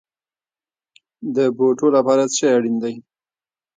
د بوټو لپاره څه شی اړین دی؟